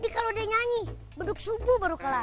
di kalo udah nyanyi beduk subuh baru kelar